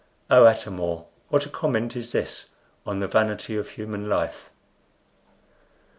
Oh, Atam or, what a comment is this on the vanity of human life!"